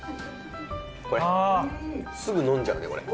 すぐ飲んじゃうねこれ。